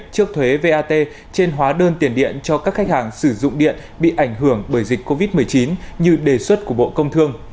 trước thuế vat trên hóa đơn tiền điện cho các khách hàng sử dụng điện bị ảnh hưởng bởi dịch covid một mươi chín như đề xuất của bộ công thương